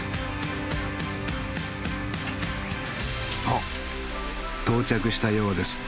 おっ到着したようです。